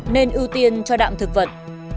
nên ưu tiên cho đạm thực vật